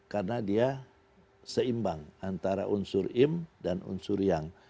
karena dia seimbang antara unsur im dan unsur yang